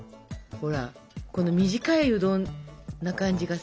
ほらこの短いうどんな感じ